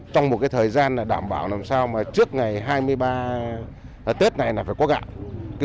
trong một thời gian đảm bảo làm sao trước ngày hai mươi ba tết này phải có gạo